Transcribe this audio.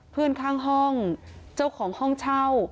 เพื่อนข้างห้องเจ้าของห้องเช่า